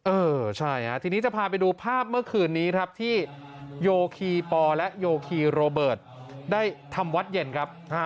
เออใช่ทีนี้จะพาไปดูภาพเมื่อคืนนี้ครับที่โยคีปอและโยคีโรเบิร์ตได้ทำวัดเย็นครับ